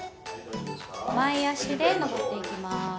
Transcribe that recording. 前足で上っていきます。